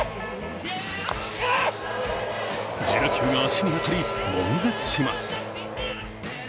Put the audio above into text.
自打球が足に当たり、もん絶します。